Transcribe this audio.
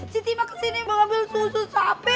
siti mah kesini mau ambil susu sapi